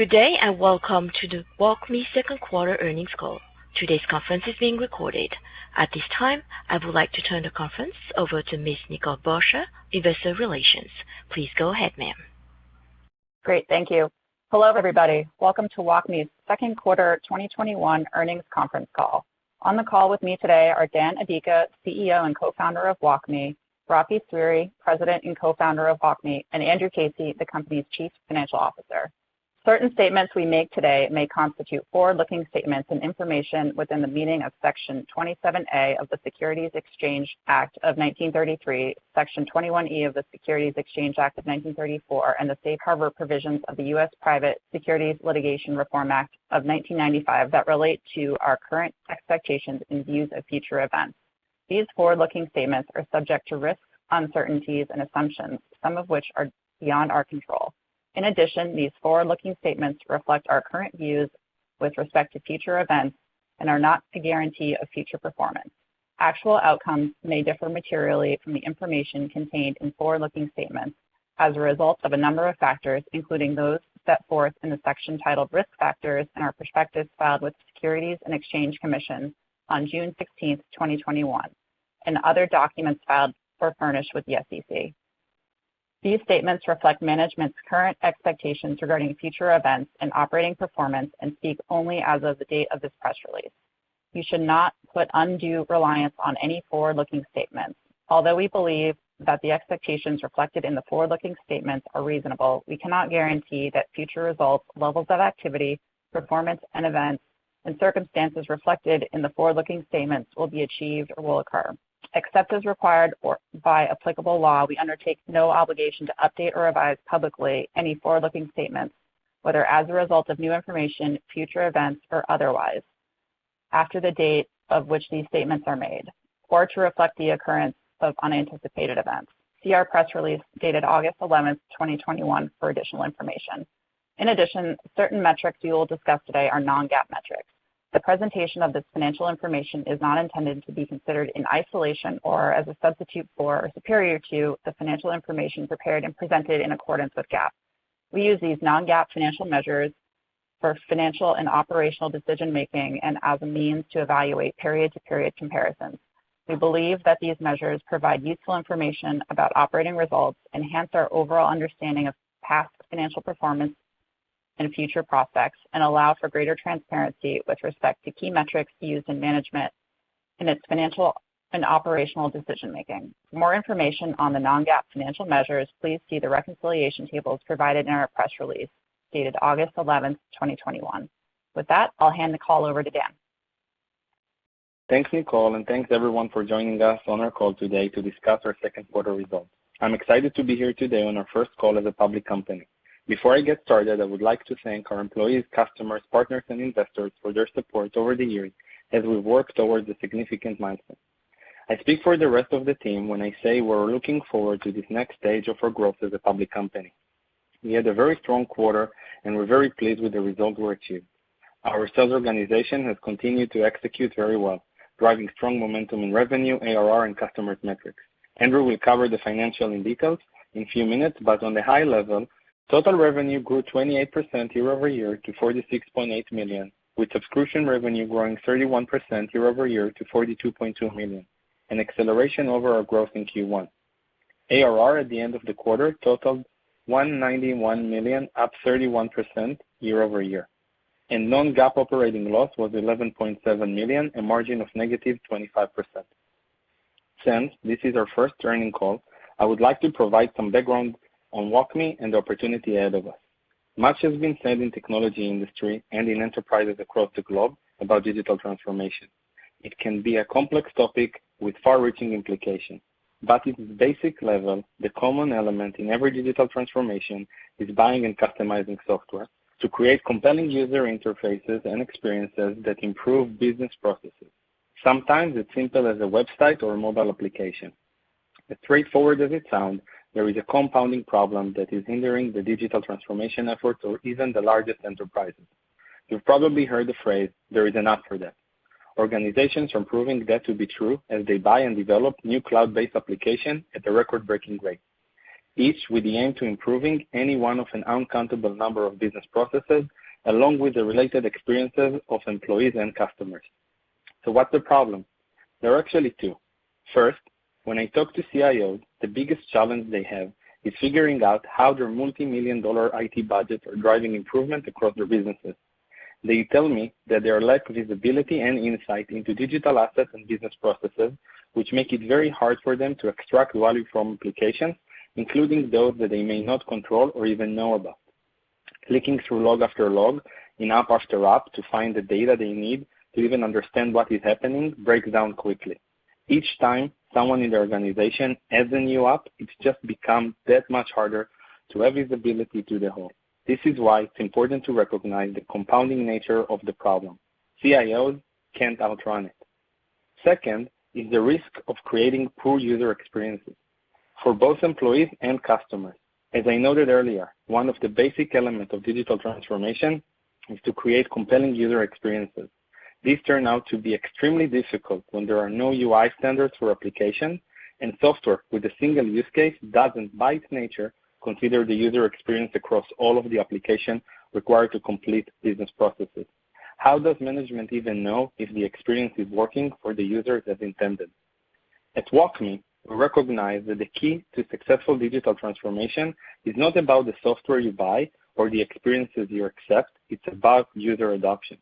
Good day, and welcome to the WalkMe Second Quarter Earnings Call. Today's conference is being recorded. At this time, I would like to turn the conference over to Ms. Nicole Borsje, Investor Relations. Please go ahead, Ma'am. Great. Thank you. Hello, everybody. Welcome to WalkMe's second quarter 2021 earnings conference call. On the call with me today are Dan Adika, CEO and Co-Founder of WalkMe, Rafi Sweary, President and Co-Founder of WalkMe, and Andrew Casey, the company's Chief Financial Officer. Certain statements we make today may constitute forward-looking statements and information within the meaning of Section 27A of the Securities Act of 1933, Section 21E of the Securities Exchange Act of 1934, and the safe harbor provisions of the Private Securities Litigation Reform Act of 1995 that relate to our current expectations and views of future events. These forward-looking statements are subject to risks, uncertainties, and assumptions, some of which are beyond our control. In addition, these forward-looking statements reflect our current views with respect to future events and are not a guarantee of future performance. Actual outcomes may differ materially from the information contained in forward-looking statements as a result of a number of factors, including those set forth in the section titled Risk Factors in our prospectus filed with the Securities and Exchange Commission on June 16th, 2021, and other documents filed or furnished with the SEC. These statements reflect management's current expectations regarding future events and operating performance and speak only as of the date of this press release. You should not put undue reliance on any forward-looking statements. Although we believe that the expectations reflected in the forward-looking statements are reasonable, we cannot guarantee that future results, levels of activity, performance, and events, and circumstances reflected in the forward-looking statements will be achieved or will occur. Except as required by applicable law, we undertake no obligation to update or revise publicly any forward-looking statements, whether as a result of new information, future events, or otherwise, after the date of which these statements are made, or to reflect the occurrence of unanticipated events. See our press release dated August 11th, 2021, for additional information. In addition, certain metrics we will discuss today are non-GAAP metrics. The presentation of this financial information is not intended to be considered in isolation or as a substitute for, or superior to, the financial information prepared and presented in accordance with GAAP. We use these non-GAAP financial measures for financial and operational decision-making and as a means to evaluate period-to-period comparisons. We believe that these measures provide useful information about operating results, enhance our overall understanding of past financial performance and future prospects, and allow for greater transparency with respect to key metrics used in management in its financial and operational decision-making. For more information on the non-GAAP financial measures, please see the reconciliation tables provided in our press release dated August 11th, 2021. With that, I'll hand the call over to Dan. Thanks, Nicole, and thanks everyone for joining us on our call today to discuss our second quarter results. I'm excited to be here today on our first call as a public company. I would like to thank our employees, customers, partners, and investors for their support over the years as we work towards this significant milestone. I speak for the rest of the team when I say we're looking forward to this next stage of our growth as a public company. We had a very strong quarter. We're very pleased with the results we achieved. Our sales organization has continued to execute very well, driving strong momentum in revenue, ARR, and customers metrics. Andrew will cover the financial in details in few minutes, but on the high level, total revenue grew 28% year-over-year to $46.8 million, with subscription revenue growing 31% year-over-year to $42.2 million, an acceleration over our growth in Q1. ARR at the end of the quarter totaled $191 million, up 31% year-over-year. Non-GAAP operating loss was $11.7 million, a margin of negative 25%. Since this is our first earnings call, I would like to provide some background on WalkMe and the opportunity ahead of us. Much has been said in technology industry and in enterprises across the globe about digital transformation. It can be a complex topic with far-reaching implications, but at its basic level, the common element in every digital transformation is buying and customizing software to create compelling user interfaces and experiences that improve business processes. Sometimes it's simple as a website or a mobile application. As straightforward as it sounds, there is a compounding problem that is hindering the digital transformation efforts of even the largest enterprises. You've probably heard the phrase, "There is an app for that." Organizations are proving that to be true as they buy and develop new cloud-based application at a record-breaking rate. Each with the aim to improving any one of an uncountable number of business processes, along with the related experiences of employees and customers. What's the problem? There are actually two. First, when I talk to CIOs, the biggest challenge they have is figuring out how their multi-million dollar IT budgets are driving improvement across their businesses. They tell me that there are lack visibility and insight into digital assets and business processes, which make it very hard for them to extract value from applications, including those that they may not control or even know about. Clicking through log after log in app after app to find the data they need to even understand what is happening breaks down quickly. Each time someone in the organization adds a new app, it just becomes that much harder to have visibility to the whole. This is why it's important to recognize the compounding nature of the problem. CIOs can't outrun it. Second is the risk of creating poor user experiences for both employees and customers. As I noted earlier, one of the basic elements of digital transformation is to create compelling user experiences. These turn out to be extremely difficult when there are no UI standards for application, and software with a single use case doesn't, by its nature, consider the user experience across all of the applications required to complete business processes. How does management even know if the experience is working for the users as intended? At WalkMe, we recognize that the key to successful digital transformation is not about the software you buy or the experiences you accept, it's about user adoption.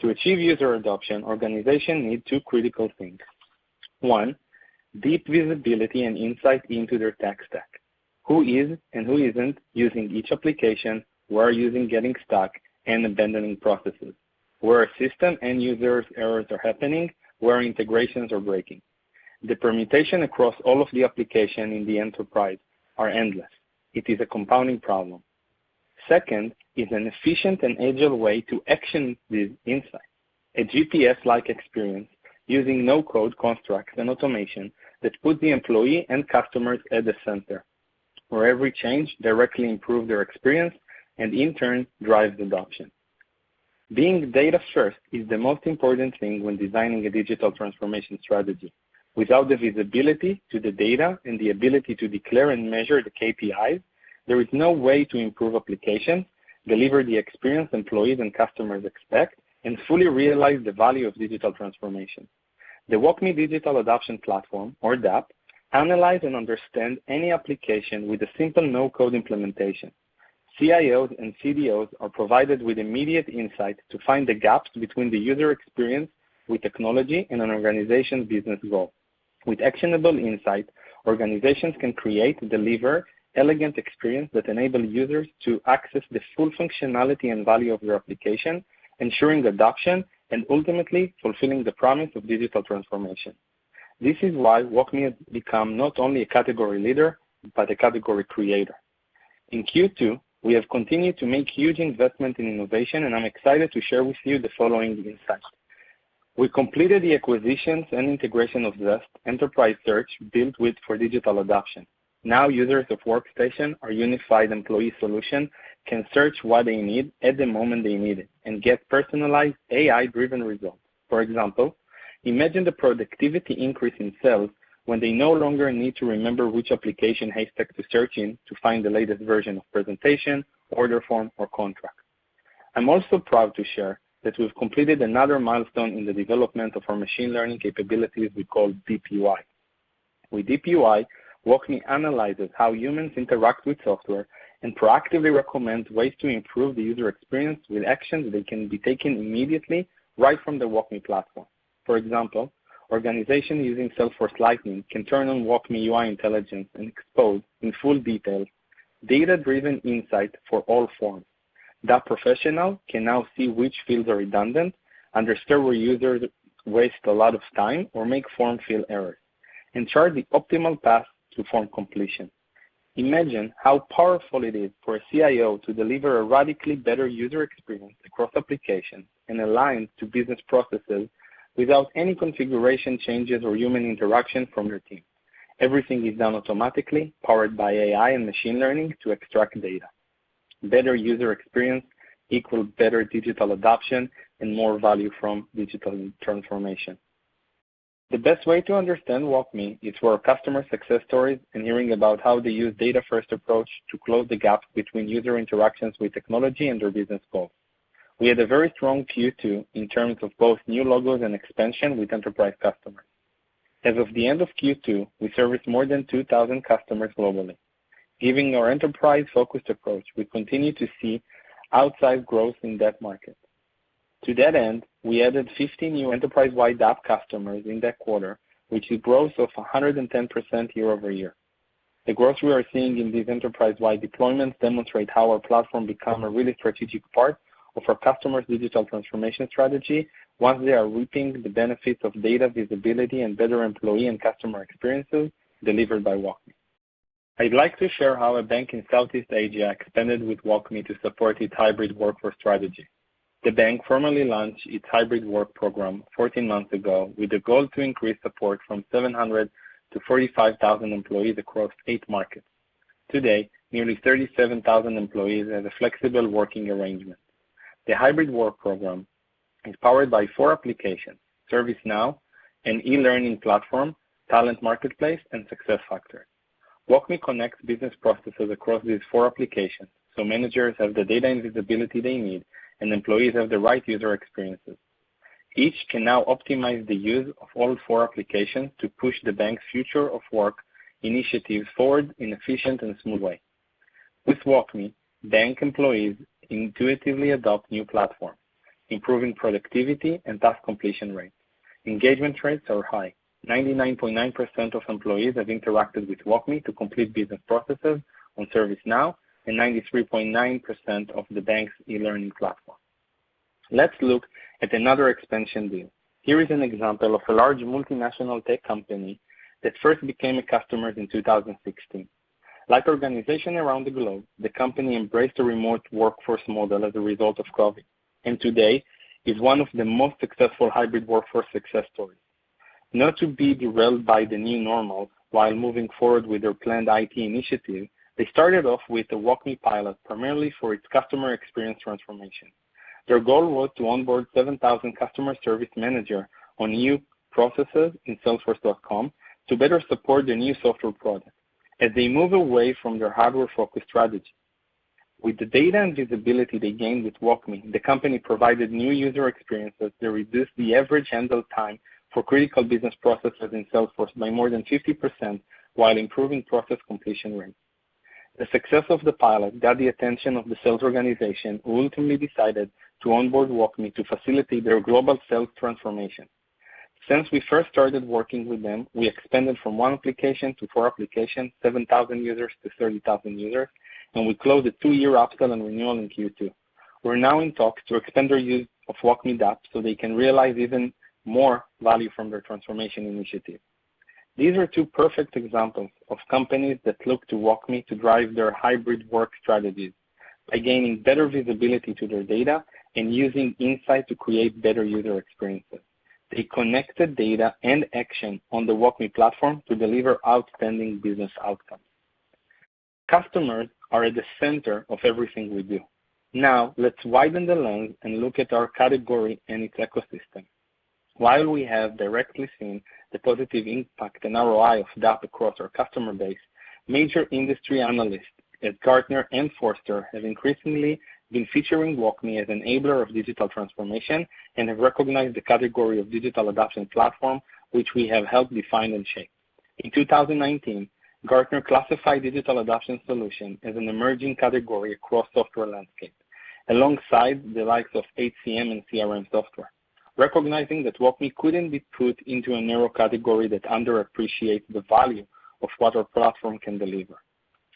To achieve user adoption, organizations need two critical things. One, deep visibility and insight into their tech stack. Who is and who isn't using each application, where are users getting stuck and abandoning processes, where system and user errors are happening, where integrations are breaking. The permutations across all of the applications in the enterprise are endless. It is a compounding problem. Second is an efficient and agile way to action these insights. A GPS-like experience using no-code constructs and automation that puts the employee and customers at the center, where every change directly improves their experience and, in turn, drives adoption. Being data-first is the most important thing when designing a digital transformation strategy. Without the visibility to the data and the ability to declare and measure the KPIs, there is no way to improve applications, deliver the experience employees and customers expect, and fully realize the value of digital transformation. The WalkMe Digital Adoption Platform, or DAP, analyzes and understands any application with a simple no-code implementation. CIOs and CDOs are provided with immediate insight to find the gaps between the user experience with technology and an organization's business goals. With actionable insight, organizations can create and deliver elegant experiences that enable users to access the full functionality and value of your application, ensuring adoption and ultimately fulfilling the promise of digital transformation. This is why WalkMe has become not only a category leader, but a category creator. In Q2, we have continued to make huge investments in innovation, and I'm excited to share with you the following insights. We completed the acquisitions and integration of Zest Enterprise Search, built with for digital adoption. Now, users of Workstation, our unified employee solution, can search what they need at the moment they need it and get personalized AI-driven results. For example, imagine the productivity increase in sales when they no longer need to remember which application haystack to search in to find the latest version of presentation, order form, or contract. I'm also proud to share that we've completed another milestone in the development of our machine learning capabilities we call DeepUI. With DeepUI, WalkMe analyzes how humans interact with software and proactively recommends ways to improve the user experience with actions that can be taken immediately right from the WalkMe Platform. For example, organizations using Salesforce Lightning can turn on WalkMe UI Intelligence and expose, in full detail, data-driven insight for all forms. That professional can now see which fields are redundant, understand where users waste a lot of time or make form field errors, and chart the optimal path to form completion. Imagine how powerful it is for a CIO to deliver a radically better user experience across applications and aligned to business processes without any configuration changes or human interaction from your team. Everything is done automatically, powered by AI and machine learning to extract data. Better user experience equals better digital adoption and more value from digital transformation. The best way to understand WalkMe is through our customer success stories and hearing about how they use data-first approach to close the gap between user interactions with technology and their business goals. We had a very strong Q2 in terms of both new logos and expansion with enterprise customers. As of the end of Q2, we serviced more than 2,000 customers globally. Given our enterprise-focused approach, we continue to see outsized growth in that market. To that end, we added 50 new enterprise-wide DAP customers in that quarter, which is growth of 110% year-over-year. The growth we are seeing in these enterprise-wide deployments demonstrate how our platform becomes a really strategic part of our customers' digital transformation strategy once they are reaping the benefits of data visibility and better employee and customer experiences delivered by WalkMe. I'd like to share how a bank in Southeast Asia expanded with WalkMe to support its hybrid workforce strategy. The bank formally launched its hybrid work program 14 months ago with a goal to increase support from 700 to 45,000 employees across eight markets. Today, nearly 37,000 employees have a flexible working arrangement. The hybrid work program is powered by four applications: ServiceNow, an e-learning platform, Talent Marketplace, and SuccessFactors. WalkMe connects business processes across these four applications, so managers have the data and visibility they need and employees have the right user experiences. Each can now optimize the use of all four applications to push the bank's future of work initiatives forward in efficient and smooth way. With WalkMe, bank employees intuitively adopt new platforms, improving productivity and task completion rates. Engagement rates are high. 99.9% of employees have interacted with WalkMe to complete business processes on ServiceNow, and 93.9% of the bank's e-learning platform. Let's look at another expansion deal. Here is an example of a large multinational tech company that first became a customer in 2016. Like organizations around the globe, the company embraced a remote workforce model as a result of COVID, and today is one of the most successful hybrid workforce success stories. Not to be derailed by the new normal while moving forward with their planned IT initiative, they started off with the WalkMe pilot primarily for its customer experience transformation. Their goal was to onboard 7,000 customer service manager on new processes in salesforce.com to better support their new software product as they move away from their hardware-focused strategy. With the data and visibility, they gained with WalkMe, the company provided new user experiences that reduced the average handle time for critical business processes in Salesforce by more than 50%, while improving process completion rates. The success of the pilot got the attention of the sales organization, who ultimately decided to onboard WalkMe to facilitate their global sales transformation. Since we first started working with them, we expanded from one application to four applications, 7,000 users to 30,000 users, and we closed a two-year optional renewal in Q2. We're now in talks to extend their use of WalkMe DAP so they can realize even more value from their transformation initiative. These are two perfect examples of companies that look to WalkMe to drive their hybrid work strategies by gaining better visibility to their data and using insight to create better user experiences. They connected data and action on the WalkMe Platform to deliver outstanding business outcomes. Customers are at the center of everything we do. Let's widen the lens and look at our category and its ecosystem. While we have directly seen the positive impact and ROI of DAP across our customer base, major industry analysts at Gartner and Forrester have increasingly been featuring WalkMe as enabler of digital transformation and have recognized the category of Digital Adoption Platform, which we have helped define and shape. In 2019, Gartner classified Digital Adoption Platform as an emerging category across software landscape, alongside the likes of HCM and CRM software, recognizing that WalkMe couldn't be put into a narrow category that underappreciates the value of what our platform can deliver.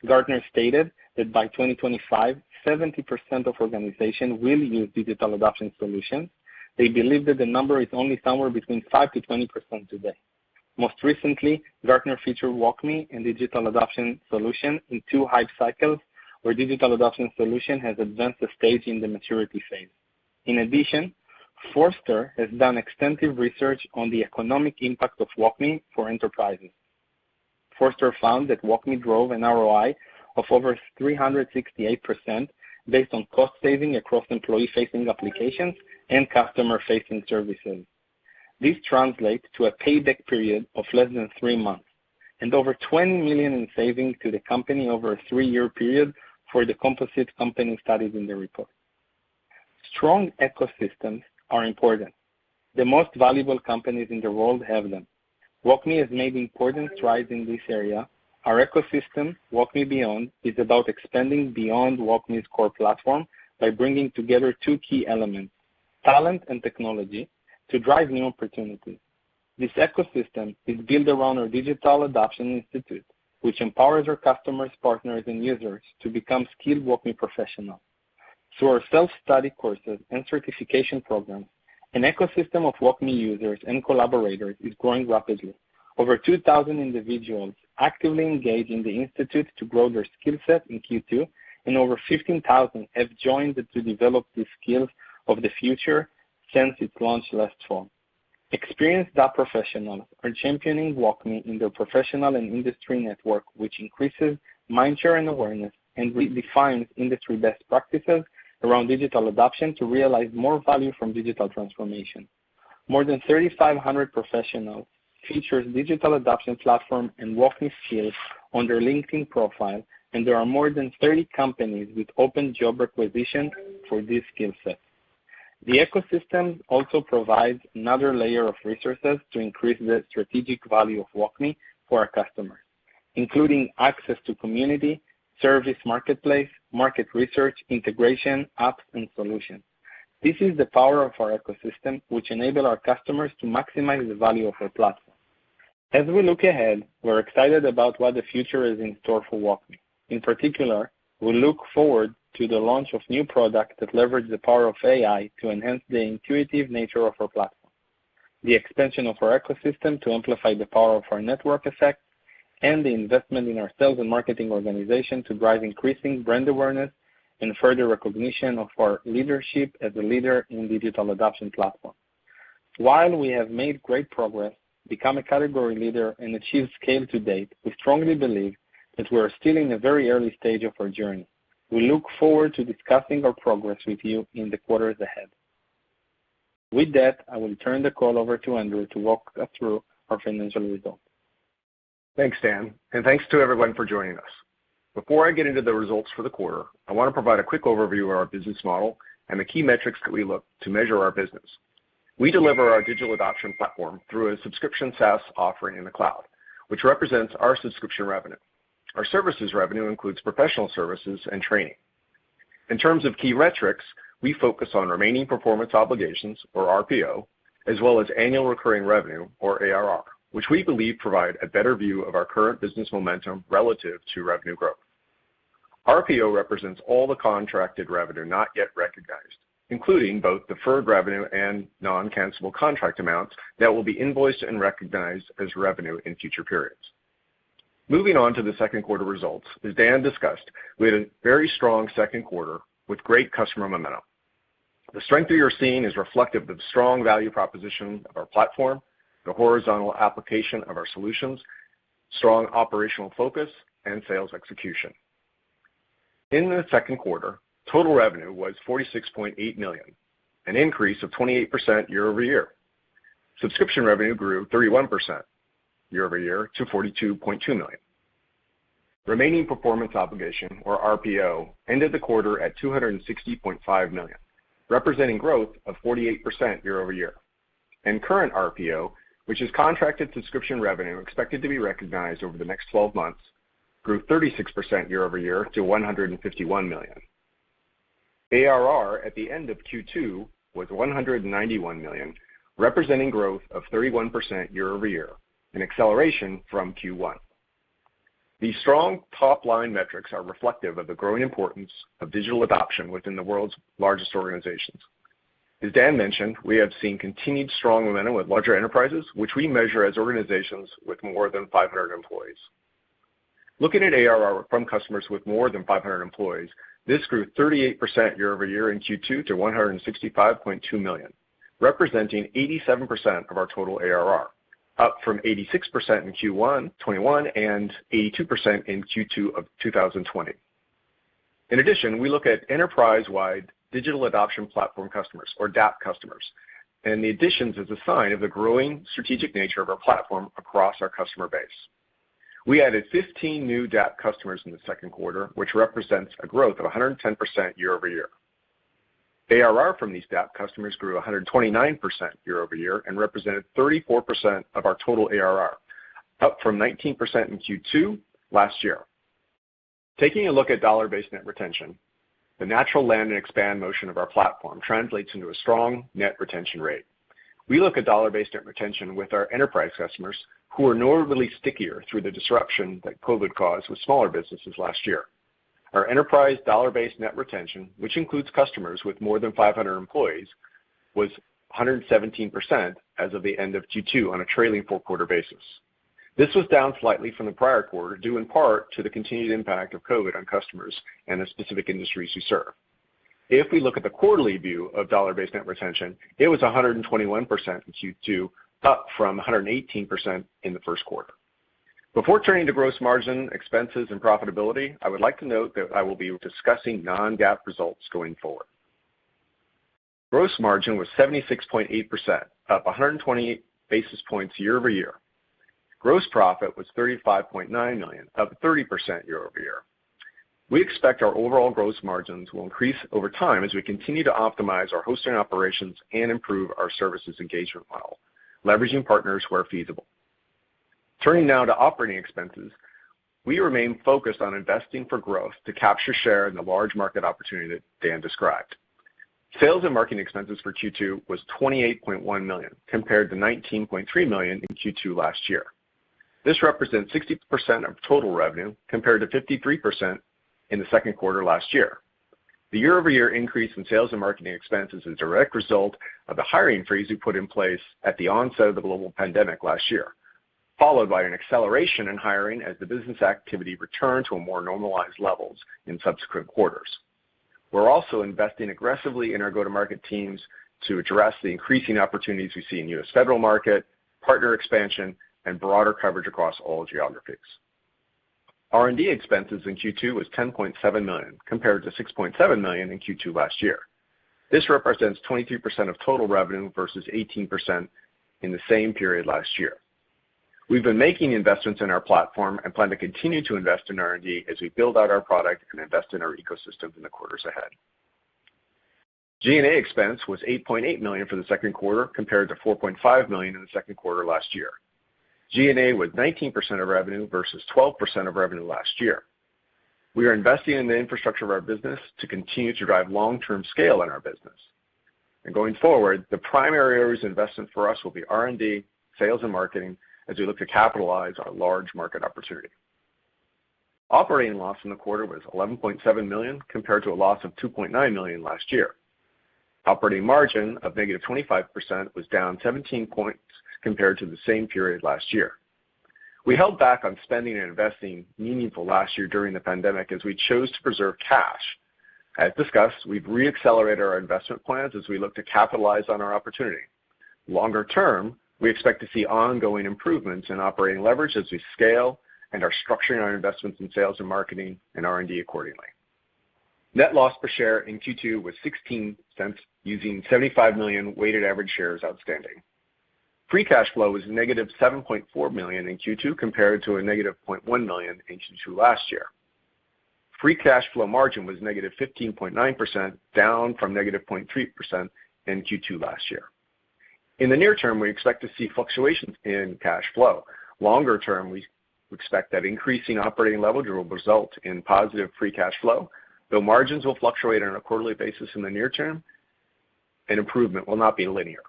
Gartner stated that by 2025, 70% of organizations will use Digital Adoption Platforms. They believe that the number is only somewhere between 5%-20% today. Most recently, Gartner featured WalkMe in Digital Adoption Platform in two hype cycles, where Digital Adoption Platform has advanced the stage in the maturity phase. In addition, Forrester has done extensive research on the economic impact of WalkMe for enterprises. Forrester found that WalkMe drove an ROI of over 368%, based on cost saving across employee-facing applications and customer-facing services. This translates to a payback period of less than three months, and over $20 million in savings to the company over a three-year period for the composite company studies in the report. Strong ecosystems are important. The most valuable companies in the world have them. WalkMe has made important strides in this area. Our ecosystem, WalkMe Beyond, is about expanding beyond WalkMe's core platform by bringing together two key elements, talent and technology, to drive new opportunities. This ecosystem is built around our Digital Adoption Institute, which empowers our customers, partners, and users to become skilled WalkMe professionals. Through our self-study courses and certification programs, an ecosystem of WalkMe users and collaborators is growing rapidly. Over 2,000 individuals actively engaged in the institute to grow their skill set in Q2, and over 15,000 have joined to develop the skills of the future since its launch last fall. Experienced DAP professionals are championing WalkMe in their professional and industry network, which increases mind share and awareness and redefines industry best practices around digital adoption to realize more value from digital transformation. More than 3,500 professionals feature Digital Adoption Platform and WalkMe skills on their LinkedIn profile, there are more than 30 companies with open job requisitions for these skill sets. The ecosystem also provides another layer of resources to increase the strategic value of WalkMe for our customers, including access to community, service marketplace, market research, integration, apps, and solutions. This is the power of our ecosystem, which enable our customers to maximize the value of our Platform. As we look ahead, we're excited about what the future is in store for WalkMe. In particular, we look forward to the launch of new products that leverage the power of AI to enhance the intuitive nature of our platform, the expansion of our ecosystem to amplify the power of our network effect, and the investment in our sales and marketing organization to drive increasing brand awareness and further recognition of our leadership as a leader in Digital Adoption Platform. While we have made great progress, become a category leader, and achieved scale to date, we strongly believe that we're still in a very early stage of our journey. We look forward to discussing our progress with you in the quarters ahead. With that, I will turn the call over to Andrew to walk us through our financial results. Thanks, Dan, and thanks to everyone for joining us. Before I get into the results for the quarter, I want to provide a quick overview of our business model and the key metrics that we look to measure our business. We deliver our Digital Adoption Platform through a subscription SaaS offering in the cloud, which represents our subscription revenue. Our services revenue includes professional services and training. In terms of key metrics, we focus on remaining performance obligations, or RPO, as well as annual recurring revenue, or ARR, which we believe provide a better view of our current business momentum relative to revenue growth. RPO represents all the contracted revenue not yet recognized, including both deferred revenue and non-cancelable contract amounts that will be invoiced and recognized as revenue in future periods. Moving on to the second quarter results. As Dan discussed, we had a very strong second quarter with great customer momentum. The strength we are seeing is reflective of the strong value proposition of our platform, the horizontal application of our solutions, strong operational focus, and sales execution. In the second quarter, total revenue was $46.8 million, an increase of 28% year-over-year. Subscription revenue grew 31% year-over-year to $42.2 million. Remaining performance obligation, or RPO, ended the quarter at $260.5 million, representing growth of 48% year-over-year. Current RPO, which is contracted subscription revenue expected to be recognized over the next 12 months, grew 36% year-over-year to $151 million. ARR at the end of Q2 was $191 million, representing growth of 31% year-over-year, an acceleration from Q1. These strong top-line metrics are reflective of the growing importance of digital adoption within the world's largest organizations. As Dan mentioned, we have seen continued strong momentum with larger enterprises, which we measure as organizations with more than 500 employees. Looking at ARR from customers with more than 500 employees, this grew 38% year-over-year in Q2 to $165.2 million, representing 87% of our total ARR, up from 86% in Q1 2021 and 82% in Q2 of 2020. In addition, we look at enterprise-wide Digital Adoption Platform customers or DAP customers, and the additions is a sign of the growing strategic nature of our platform across our customer base. We added 15 new DAP customers in the second quarter, which represents a growth of 110% year-over-year. ARR from these DAP customers grew 129% year-over-year and represented 34% of our total ARR, up from 19% in Q2 last year. Taking a look at dollar-based net retention, the natural land and expand motion of our platform translates into a strong net retention rate. We look at dollar-based net retention with our enterprise customers, who are normally stickier through the disruption that COVID caused with smaller businesses last year. Our enterprise dollar-based net retention, which includes customers with more than 500 employees, was 117% as of the end of Q2 on a trailing four-quarter basis. This was down slightly from the prior quarter, due in part to the continued impact of COVID on customers and the specific industries we serve. If we look at the quarterly view of dollar-based net retention, it was 121% in Q2, up from 118% in the first quarter. Before turning to gross margin expenses and profitability, I would like to note that I will be discussing non-GAAP results going forward. Gross margin was 76.8%, up 120 basis points year-over-year. Gross profit was $35.9 million, up 30% year-over-year. We expect our overall gross margins will increase over time as we continue to optimize our hosting operations and improve our services engagement model, leveraging partners where feasible. Turning now to operating expenses. We remain focused on investing for growth to capture share in the large market opportunity Dan described. Sales and marketing expenses for Q2 was $28.1 million, compared to $19.3 million in Q2 last year. This represents 60% of total revenue, compared to 53% in the second quarter last year. The year-over-year increase in sales and marketing expense is a direct result of the hiring freeze we put in place at the onset of the global pandemic last year, followed by an acceleration in hiring as the business activity returned to a more normalized levels in subsequent quarters. We're also investing aggressively in our go-to-market teams to address the increasing opportunities we see in U.S. federal market, partner expansion, and broader coverage across all geographies. R&D expenses in Q2 was $10.7 million, compared to $6.7 million in Q2 last year. This represents 23% of total revenue versus 18% in the same period last year. We've been making investments in our platform and plan to continue to invest in R&D as we build out our product and invest in our ecosystem in the quarters ahead. G&A expense was $8.8 million for the second quarter, compared to $4.5 million in the second quarter last year. G&A was 19% of revenue versus 12% of revenue last year. We are investing in the infrastructure of our business to continue to drive long-term scale in our business. Going forward, the primary areas of investment for us will be R&D, sales, and marketing as we look to capitalize on large market opportunity. Operating loss in the quarter was $11.7 million, compared to a loss of $2.9 million last year. Operating margin of negative 25% was down 17 points compared to the same period last year. We held back on spending and investing meaningful last year during the pandemic as we chose to preserve cash. As discussed, we've re-accelerated our investment plans as we look to capitalize on our opportunity. Longer term, we expect to see ongoing improvements in operating leverage as we scale and are structuring our investments in sales and marketing and R&D accordingly. Net loss per share in Q2 was $0.16 using 75 million weighted average shares outstanding. Free cash flow was negative $7.4 million in Q2, compared to a negative $0.1 million in Q2 last year. Free cash flow margin was negative 15.9%, down from negative 0.3% in Q2 last year. In the near term, we expect to see fluctuations in cash flow. Longer term, we expect that increasing operating leverage will result in positive free cash flow, though margins will fluctuate on a quarterly basis in the near term, and improvement will not be linear.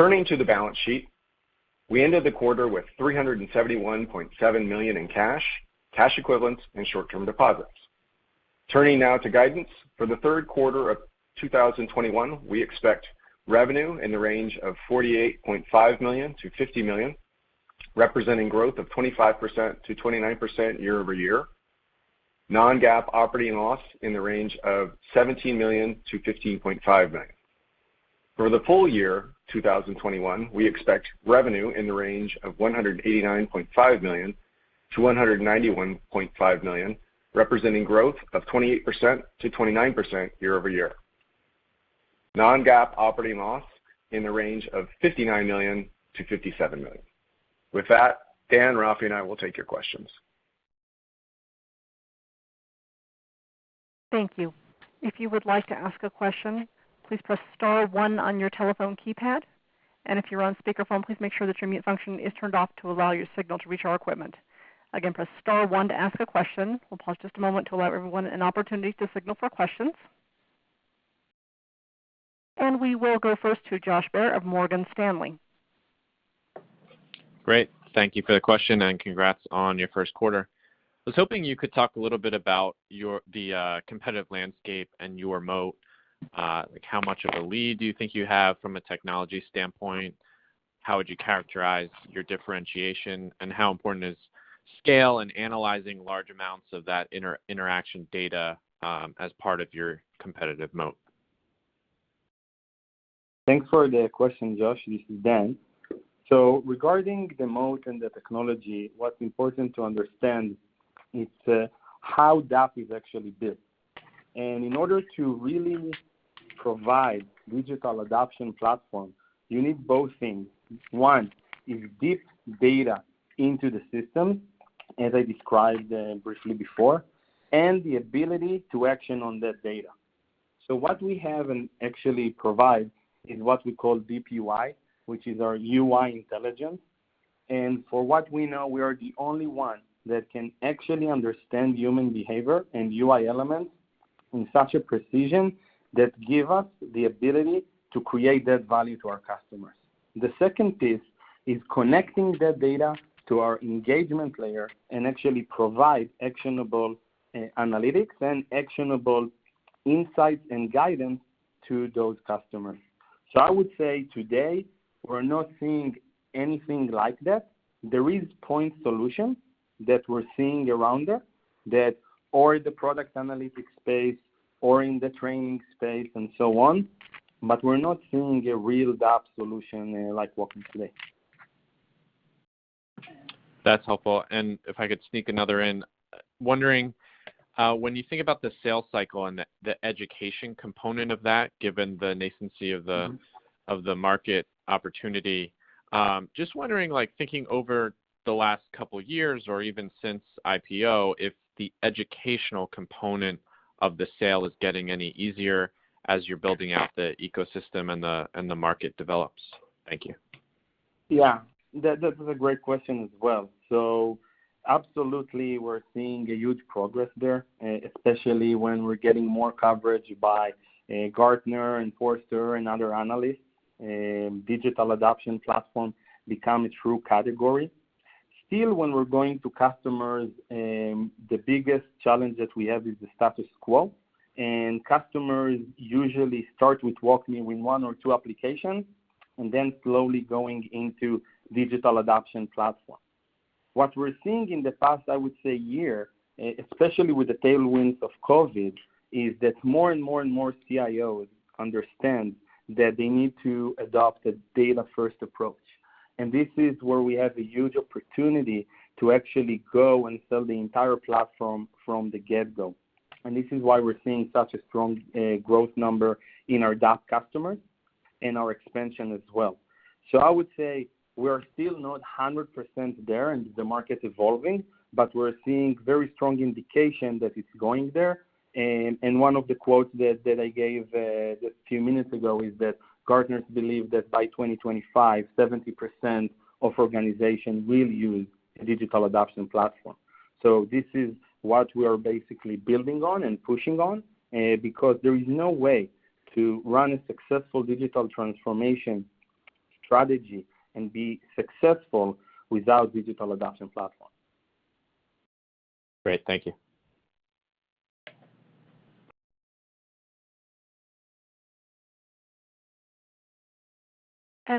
Turning to the balance sheet, we ended the quarter with $371.7 million in cash equivalents, and short-term deposits. Turning now to guidance. For the third quarter of 2021, we expect revenue in the range of $48.5 million-$50 million, representing growth of 25%-29% year-over-year. Non-GAAP operating loss in the range of $17 million-$15.5 million. For the full year 2021, we expect revenue in the range of $189.5 million-$191.5 million, representing growth of 28%-29% year-over-year. Non-GAAP operating loss in the range of $59 million-$57 million. With that, Dan, Rafi and I will take your questions. Thank you. If you would like to ask a question, please press star one on your telephone keypad, and if you're on speakerphone, please make sure that your mute function is turned off to allow your signal to reach our equipment. Again, press star one to ask a question. We'll pause just a moment to allow everyone an opportunity to signal for questions. We will go first to Josh Baer of Morgan Stanley. Great. Thank you for the question, and congrats on your first quarter. I was hoping you could talk a little bit about the competitive landscape and your moat. Like, how much of a lead do you think you have from a technology standpoint? How would you characterize your differentiation, and how important is scale and analyzing large amounts of that interaction data, as part of your competitive moat? Thanks for the question, Josh. This is Dan. Regarding the moat and the technology, what's important to understand is how DAP is actually built. In order to really provide Digital Adoption Platform, you need both things. One is deep data into the system, as I described briefly before, and the ability to action on that data. What we have and actually provide is what we call DeepUI, which is our UI intelligence. For what we know, we are the only one that can actually understand human behavior and UI elements in such a precision that give us the ability to create that value to our customers. The second piece is connecting that data to our engagement layer and actually provide actionable analytics and actionable insights and guidance to those customers. I would say today, we're not seeing anything like that. There is point solution that we're seeing around that, or the product analytics space or in the training space and so on, but we're not seeing a real DAP solution like WalkMe today. That's helpful. If I could sneak another in, wondering, when you think about the sales cycle and the education component of that, given the nascency of the market opportunity, just wondering, like, thinking over the last couple years or even since IPO, if the educational component of the sale is getting any easier as you're building out the ecosystem and the market develops. Thank you. Yeah. That is a great question as well. Absolutely, we're seeing a huge progress there, especially when we're getting more coverage by Gartner and Forrester and other analysts, Digital Adoption Platform become a true category. Still, when we're going to customers, the biggest challenge that we have is the status quo, and customers usually start with WalkMe with one or two applications and then slowly going into Digital Adoption Platform. What we're seeing in the past, I would say year, especially with the tailwinds of COVID, is that more and more CIOs understand that they need to adopt a data-first approach. This is where we have a huge opportunity to actually go and sell the entire platform from the get-go. This is why we're seeing such a strong growth number in our DAP customers and our expansion as well. I would say we are still not 100% there, and the market's evolving, but we're seeing very strong indication that it's going there. One of the quotes that I gave a few minutes ago is that Gartner believe that by 2025, 70% of organizations will use a Digital Adoption Platform. This is what we are basically building on and pushing on, because there is no way to run a successful digital transformation strategy and be successful without Digital Adoption Platform. Great. Thank you.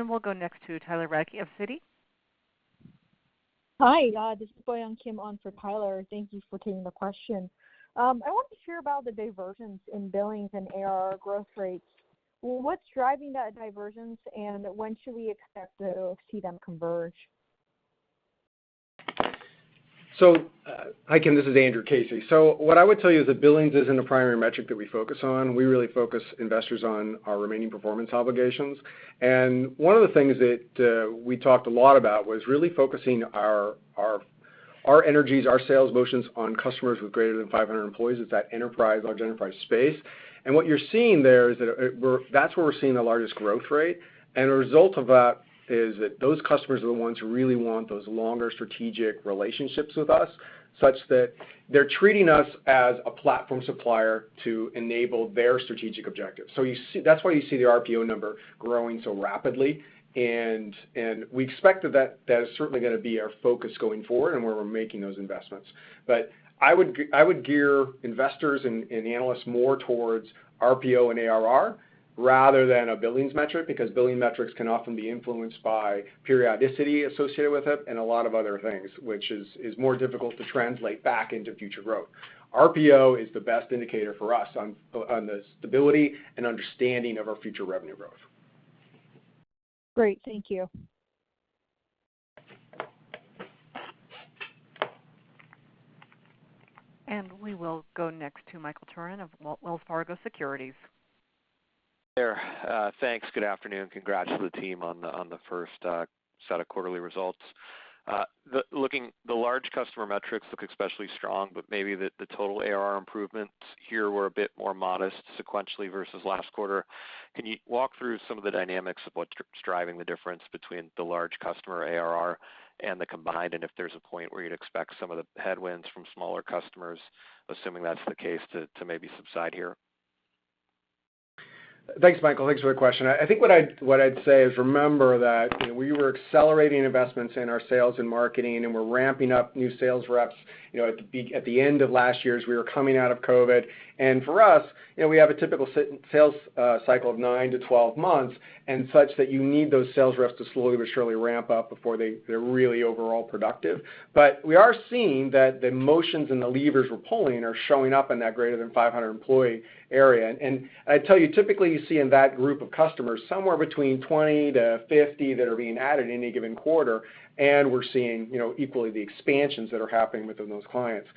We'll go next to Tyler Radke of Citi. Hi, this is BoYoung Kim on for Tyler. Thank you for taking the question. I wanted to hear about the divergence in billings and ARR growth rates. What's driving that divergence? When should we expect to see them converge? Hi, Kim. This is Andrew Casey. What I would tell you is that billings isn't a primary metric that we focus on. We really focus investors on our remaining performance obligations. One of the things that we talked a lot about was really focusing our energies, our sales motions on customers with greater than 500 employees, it's that enterprise, large enterprise space. What you're seeing there is that's where we're seeing the largest growth rate. A result of that is that those customers are the ones who really want those longer strategic relationships with us, such that they're treating us as a platform supplier to enable their strategic objectives. That's why you see the RPO number growing so rapidly, and we expect that is certainly going to be our focus going forward and where we're making those investments. I would gear investors and analysts more towards RPO and ARR rather than a billings metric because billing metrics can often be influenced by periodicity associated with it and a lot of other things, which is more difficult to translate back into future growth. RPO is the best indicator for us on the stability and understanding of our future revenue growth. Great. Thank you. We will go next to Michael Turrin of Wells Fargo Securities. There. Thanks. Good afternoon. Congrats to the team on the first set of quarterly results. The large customer metrics look especially strong, but maybe the total ARR improvements here were a bit more modest sequentially versus last quarter. Can you walk through some of the dynamics of what's driving the difference between the large customer ARR and the combined, and if there's a point where you'd expect some of the headwinds from smaller customers, assuming that's the case, to maybe subside here? Thanks, Michael. Thanks for the question. I think what I'd say is remember that we were accelerating investments in our sales and marketing, and we're ramping up new sales reps. At the end of last year, as we were coming out of COVID, and for us, we have a typical sales cycle of 9-12 months, and such that you need those sales reps to slowly but surely ramp up before they're really overall productive. We are seeing that the motions and the levers we're pulling are showing up in that greater than 500 employee area. I tell you, typically you see in that group of customers, somewhere between 20 to 50 that are being added in any given quarter, and we're seeing equally the expansions that are happening within those clients.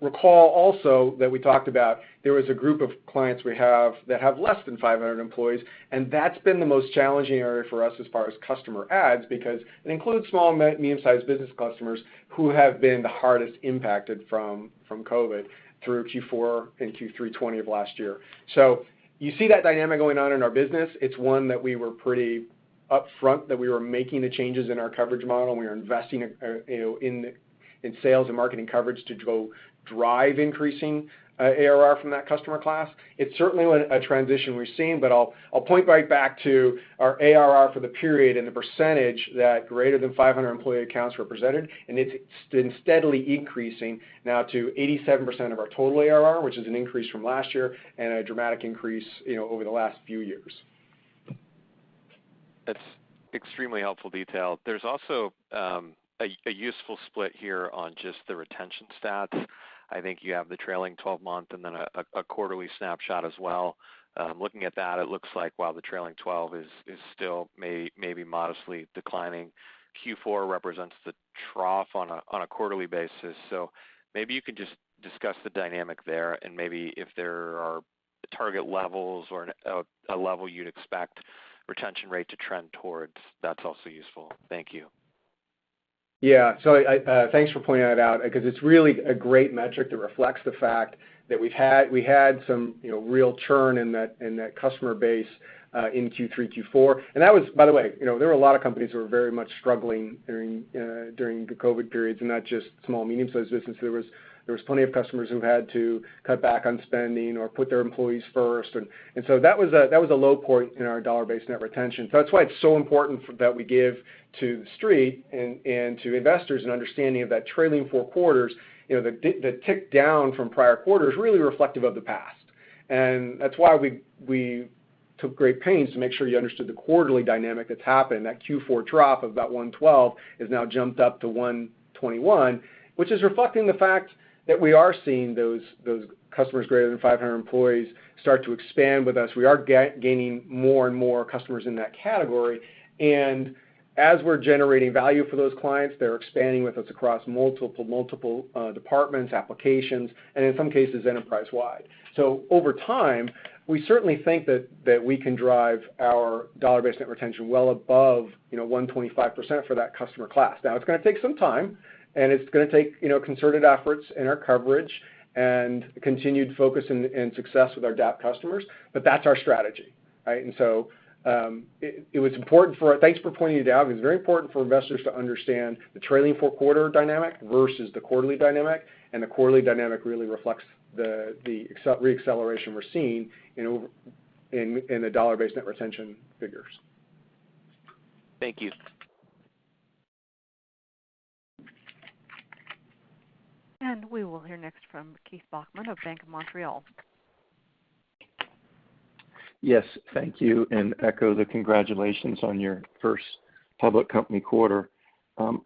Recall also that we talked about there was a group of clients we have that have less than 500 employees, that's been the most challenging area for us as far as customer adds, because it includes small and medium-sized business customers who have been the hardest impacted from COVID through Q4 and Q3 2020 of last year. You see that dynamic going on in our business. It's one that we were pretty upfront that we were making the changes in our coverage model. We are investing in sales and marketing coverage to go drive increasing ARR from that customer class. It's certainly a transition we're seeing, but I'll point right back to our ARR for the period and the percentage that greater than 500 employee accounts represented, and it's been steadily increasing now to 87% of our total ARR, which is an increase from last year and a dramatic increase over the last few years. That's extremely helpful detail. There's also a useful split here on just the retention stats. I think you have the trailing 12-month and then a quarterly snapshot as well. Looking at that, it looks like while the trailing 12 is still maybe modestly declining, Q4 represents the trough on a quarterly basis. Maybe you could just discuss the dynamic there and maybe if there are target levels or a level, you'd expect retention rate to trend towards, that's also useful. Thank you. Yeah. Thanks for pointing that out because it's really a great metric that reflects the fact that we had some real churn in that customer base in Q3, Q4. That was, by the way, there were a lot of companies who were very much struggling during the COVID periods and not just small, medium-sized businesses. There was plenty of customers who had to cut back on spending or put their employees first. That was a low point in our dollar-based net retention. That's why it's so important that we give to The Street and to investors an understanding of that trailing four quarters. The tick down from prior quarters is really reflective of the past. That's why we took great pains to make sure you understood the quarterly dynamic that's happened. That Q4 drop of about 112 has now jumped up to 121, which is reflecting the fact that we are seeing those customers greater than 500 employees start to expand with us. We are gaining more and more customers in that category. As we're generating value for those clients, they're expanding with us across multiple departments, applications, and in some cases, enterprise-wide. Over time, we certainly think that we can drive our dollar-based net retention well above 125% for that customer class. It's going to take some time, and it's going to take concerted efforts in our coverage and continued focus and success with our DAP customers, but that's our strategy. Right? Thanks for pointing it out because it's very important for investors to understand the trailing four quarter dynamic versus the quarterly dynamic, and the quarterly dynamic really reflects the re-acceleration we're seeing in the dollar-based net retention figures. Thank you. We will hear next from Keith Bachman of Bank of Montreal. Yes. Thank you, and echo the congratulations on your first public company quarter. The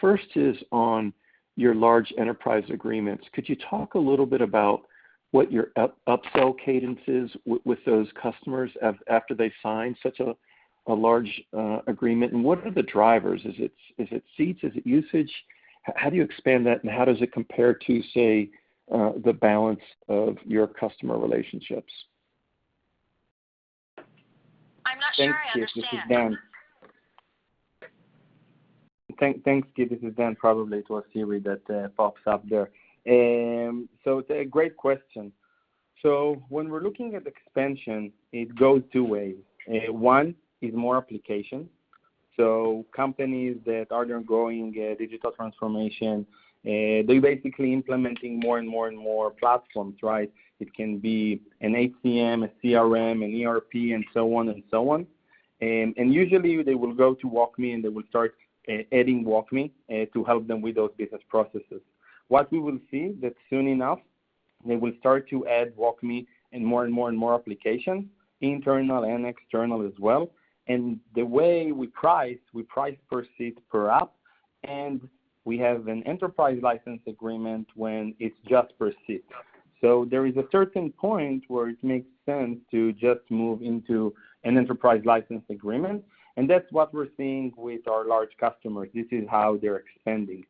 first is on your large enterprise agreements. Could you talk a little bit about what your upsell cadence is with those customers after they sign such a large agreement, and what are the drivers? Is it seats? Is it usage? How do you expand that, and how does it compare to, say, the balance of your customer relationships? Thank you. This is Dan. Thanks, Keith. This is Dan. Probably it was Siri that pops up there. It's a great question. When we're looking at expansion, it goes two ways. One is more application. Companies that are undergoing digital transformation, they're basically implementing more and more platforms, right? It can be an HCM, a CRM, an ERP, and so on. Usually they will go to WalkMe, and they will start adding WalkMe to help them with those business processes. What we will see, that soon enough, they will start to add WalkMe in more and more applications, internal and external as well. The way we price, we price per seat per app, and we have an enterprise license agreement when it's just per seat. There is a certain point where it makes sense to just move into an enterprise license agreement, and that's what we're seeing with our large customers. This is how they're expanding.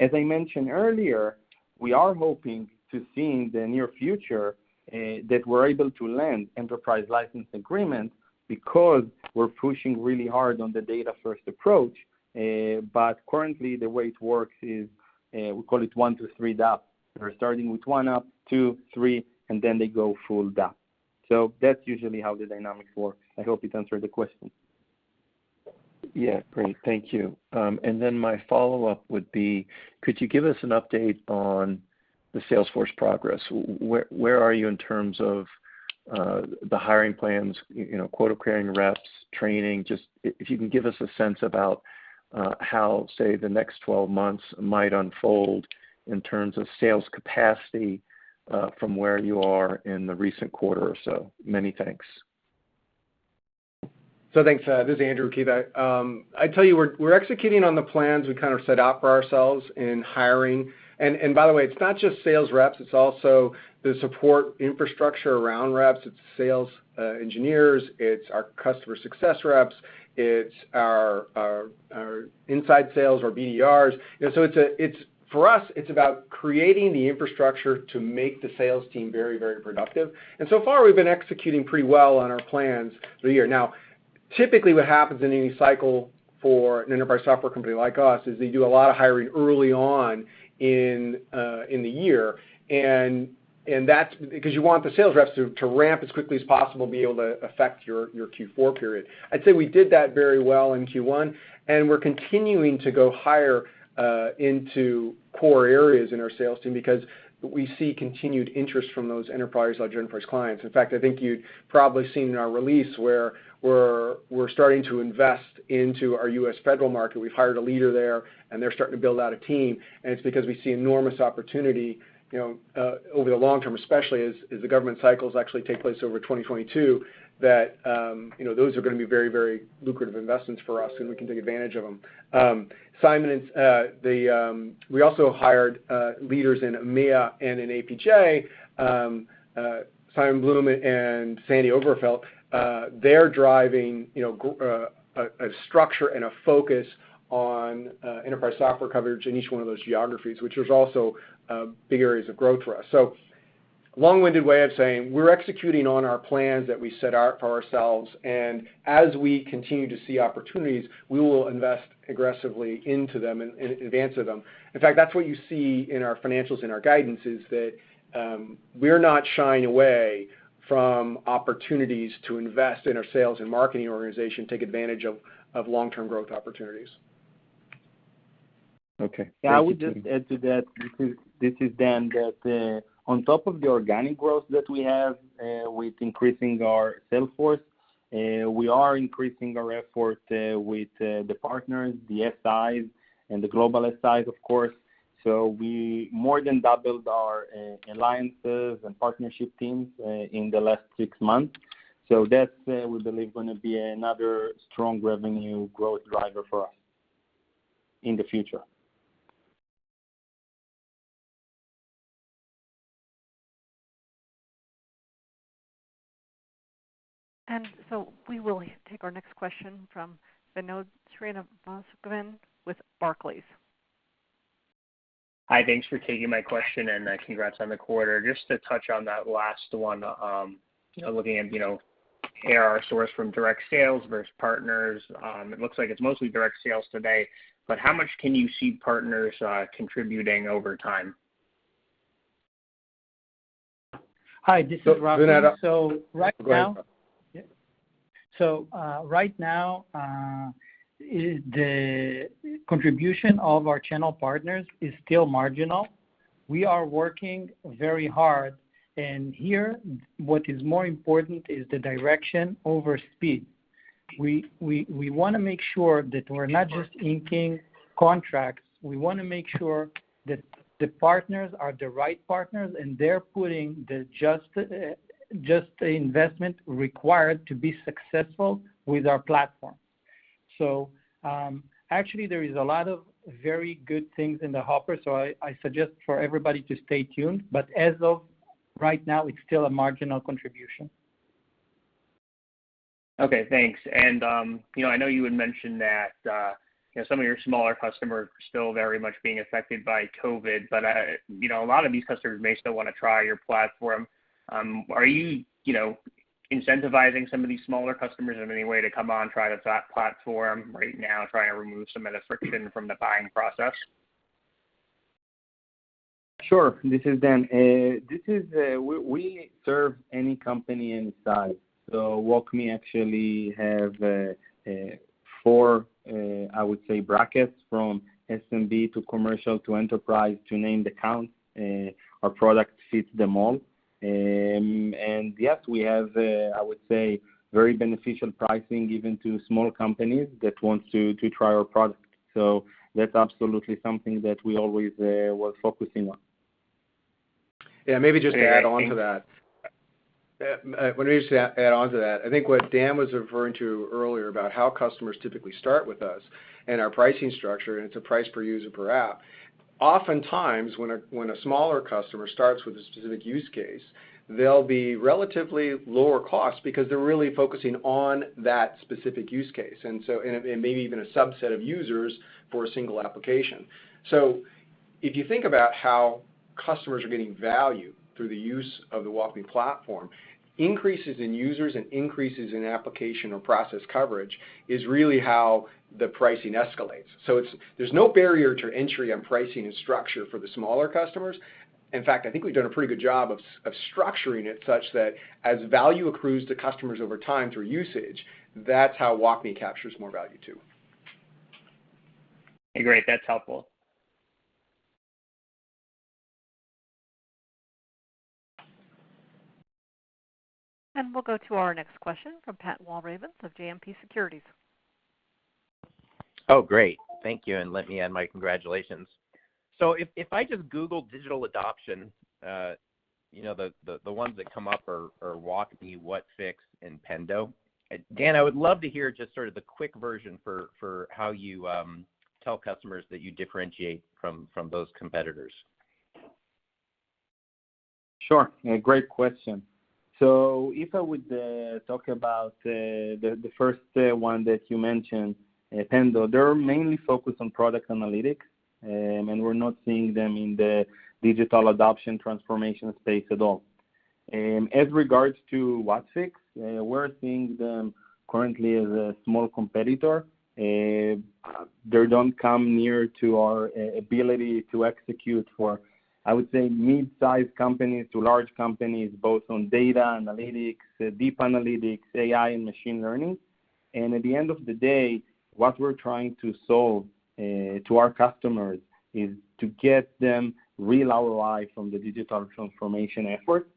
As I mentioned earlier, we are hoping to see in the near future that we're able to land enterprise license agreements because we're pushing really hard on the data-first approach. Currently, the way it works is, we call it one, two, three DAP. They're starting with one app, two, three, and then they go full DAP. That's usually how the dynamics work. I hope it answered the question. Yeah, great. Thank you. My follow-up would be, could you give us an update on the Salesforce progress? Where are you in terms of the hiring plans, quota-carrying reps, training? Just if you can give us a sense about how, say, the next 12 months might unfold in terms of sales capacity from where you are in the recent quarter or so. Many thanks. Thanks. This is Andrew. [inaudible] I'd tell you we're executing on the plans we kind of set out for ourselves in hiring. By the way, it's not just sales reps, it's also the support infrastructure around reps. It's sales engineers, it's our customer success reps, it's our inside sales, our BDRs. For us, it's about creating the infrastructure to make the sales team very, very productive. So far, we've been executing pretty well on our plans for the year. Typically, what happens in any cycle for an enterprise software company like us is they do a lot of hiring early on in the year, because you want the sales reps to ramp as quickly as possible, to be able to affect your Q4 period. I'd say we did that very well in Q1, and we're continuing to go higher into core areas in our sales team because we see continued interest from those enterprise or large enterprise clients. In fact, I think you've probably seen in our release where we're starting to invest into our U.S. federal market. We've hired a leader there, and they're starting to build out a team, and it's because we see enormous opportunity over the long term, especially as the government cycles actually take place over 2022, that those are going to be very, very lucrative investments for us, and we can take advantage of them. We also hired leaders in EMEA and in APJ, Simon Blunn and Sandie Overtveld. They're driving a structure and a focus on enterprise software coverage in each one of those geographies, which is also big areas of growth for us. Long-winded way of saying we're executing on our plans that we set out for ourselves, and as we continue to see opportunities, we will invest aggressively into them and advance to them. In fact, that's what you see in our financials and our guidance, is that we're not shying away from opportunities to invest in our sales and marketing organization to take advantage of long-term growth opportunities. Okay. Yeah, I would just add to that, this is Dan, that on top of the organic growth that we have with increasing our sales force, we are increasing our effort with the partners, the SIs, and the global SIs, of course. We more than doubled our alliances and partnership teams in the last six months. That, we believe, going to be another strong revenue growth driver for us in the future. We will take our next question from Vinod Srinivasaraghavan with Barclays. Hi. Thanks for taking my question, and congrats on the quarter. Just to touch on that last one, looking at ARR source from direct sales versus partners, it looks like it's mostly direct sales today, how much can you see partners contributing over time? Hi, this is Rafi. Vinod. Go ahead. Right now, the contribution of our channel partners is still marginal. We are working very hard, and here what is more important is the direction over speed. We want to make sure that we're not just inking contracts. We want to make sure that the partners are the right partners, and they're putting just the investment required to be successful with our platform. Actually, there is a lot of very good things in the hopper, so I suggest for everybody to stay tuned, but as of right now, it's still a marginal contribution. Okay, thanks. I know you had mentioned that some of your smaller customers are still very much being affected by COVID, but a lot of these customers may still want to try your platform. Are you incentivizing some of these smaller customers in any way to come on, try the platform right now, try and remove some of the friction from the buying process? Sure. This is Dan. We serve any company and size. WalkMe actually have four, I would say, brackets from SMB to commercial to enterprise to named account. Our product fits them all. Yes, we have, I would say, very beneficial pricing given to small companies that want to try our product. That's absolutely something that we always were focusing on. Yeah, maybe just to add onto that. Let me just add onto that. I think what Dan was referring to earlier about how customers typically start with us and our pricing structure, and it's a price per user, per app. Oftentimes, when a smaller customer starts with a specific use case, they'll be relatively lower cost because they're really focusing on that specific use case. Maybe even a subset of users for a single application. If you think about how customers are getting value through the use of the WalkMe Platform, increases in users and increases in application or process coverage is really how the pricing escalates. There's no barrier to entry on pricing and structure for the smaller customers. I think we've done a pretty good job of structuring it such that as value accrues to customers over time through usage, that's how WalkMe captures more value, too. Great. That's helpful. We'll go to our next question from Pat Walravens of JMP Securities. Oh, great. Thank you, and let me add my congratulations. If I just Google digital adoption, the ones that come up are WalkMe, Whatfix, and Pendo. Dan, I would love to hear just sort of the quick version for how you tell customers that you differentiate from those competitors. Sure. Great question. If I would talk about the first one that you mentioned, Pendo, they're mainly focused on product analytics, and we're not seeing them in the digital adoption transformation space at all. As regards to Whatfix, we're seeing them currently as a small competitor. They don't come near to our ability to execute for, I would say, mid-size companies to large companies, both on data analytics, deep analytics, AI, and machine learning. At the end of the day, what we're trying to solve to our customers is to get them real ROI from the digital transformation effort.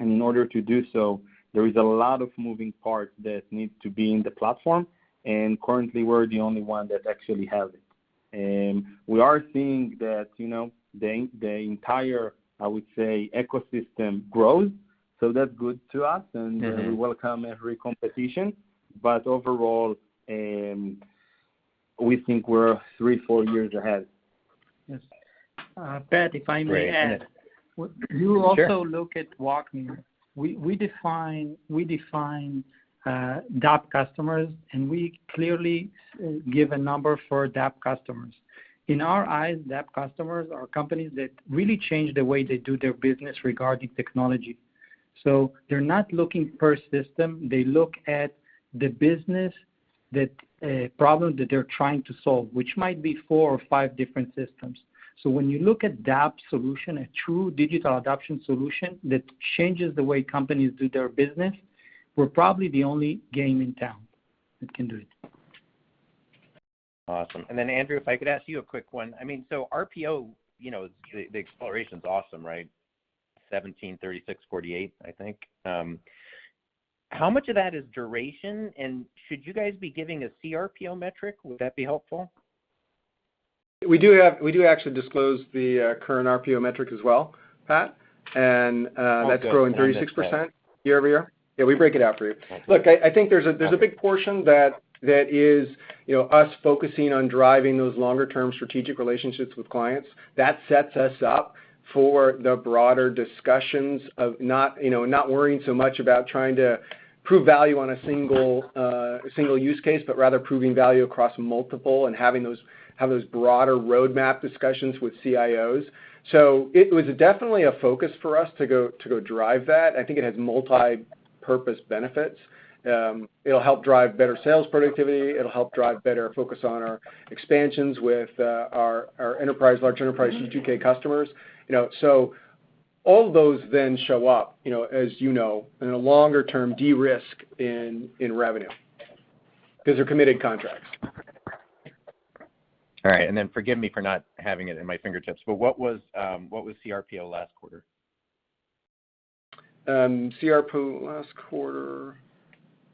In order to do so, there is a lot of moving parts that need to be in the platform, and currently, we're the only one that actually have it. We are seeing that the entire, I would say, ecosystem grows, so that's good to us. We welcome every competition. Overall, we think we're three, four years ahead. Yes. Pat, if I may add. Sure. You also look at WalkMe. We define DAP customers, and we clearly give a number for DAP customers. In our eyes, DAP customers are companies that really change the way they do their business regarding technology. They're not looking per system. They look at the business, the problem that they're trying to solve, which might be four or five different systems. When you look at DAP solution, a true Digital Adoption solution that changes the way companies do their business, we're probably the only game in town that can do it. Awesome. Andrew, if I could ask you a quick one. RPO, the explanation's awesome, right? $1,736.48, I think. How much of that is duration, and should you guys be giving a CRPO metric? Would that be helpful? We do actually disclose the current RPO metric as well, Pat, and that's growing 36%. Okay. Understood. Year-over-year. Yeah, we break it out for you. Okay. I think there's a big portion that is us focusing on driving those longer-term strategic relationships with clients. That sets us up for the broader discussions of not worrying so much about trying to prove value on a single use case, but rather proving value across multiple and having those broader roadmap discussions with CIOs. It was definitely a focus for us to go drive that. I think it has multipurpose benefits. It'll help drive better sales productivity. It'll help drive better focus on our expansions with our enterprise, large enterprise G2K customers. All of those then show up, as you know, in a longer-term de-risk in revenue because they're committed contracts. All right. forgive me for not having it in my fingertips, but what was CRPO last quarter? CRPO last quarter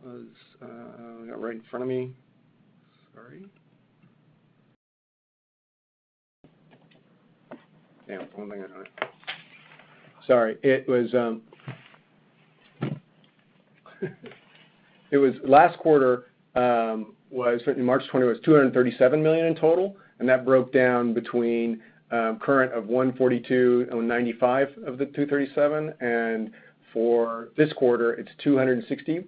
was I got it right in front of me. Sorry. Damn, one moment. Sorry. Last quarter, March 20, was $237 million in total, and that broke down between current of $142 and $95 of the $237, and for this quarter, it's $216,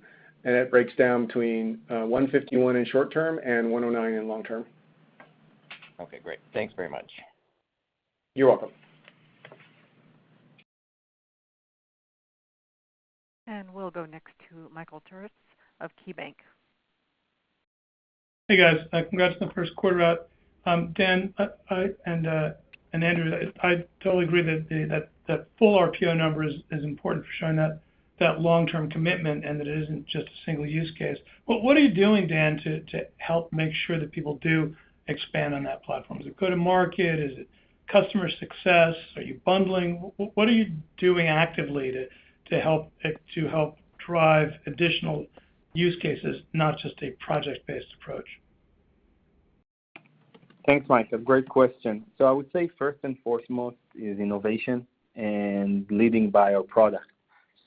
and that breaks down between $151 in short term and $109 in long term. Okay, great. Thanks very much. You're welcome. We'll go next to Michael Turits of KeyBanc Capital Markets. Hey, guys. Congrats on the first quarter out. Dan, and Andrew, I totally agree that the full RPO number is important for showing that long-term commitment and that it isn't just a single use case. What are you doing, Dan, to help make sure that people do expand on that platform? Is it go-to-market? Is it customer success? Are you bundling? What are you doing actively to help drive additional use cases, not just a project-based approach? Thanks, Mike. A great question. I would say first and foremost is innovation and leading by our product.